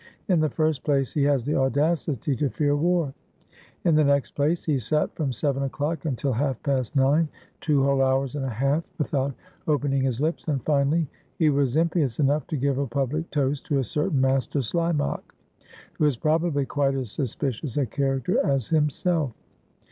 "In the first place, he has the audacity to fear war; in the next place, he sat from seven o'clock until half past nine, two whole hours and a half, without opening his lips; and finally, he was impious enough to give a public toast to a certain Master Slimak, who is probably quite as suspicious a character as himself."